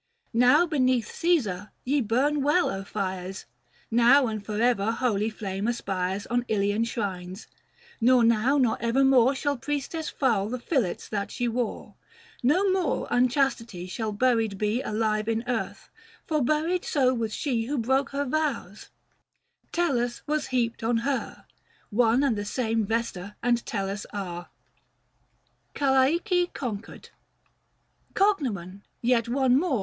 Now beneath Caesar, ye burn well, fires; Now and for ever holy flame aspires 540 On Ilian shrines ; nor now nor ever more Shall priestess foul the fillets that she wore ; No more unchastity shall buried be Alive in earth, for buried so was she Who broke her vows : Tellus was heaped on her — 545 One and the same Vesta and Tellus are.